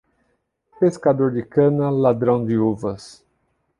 Pescador de cana, ladrão de uvas.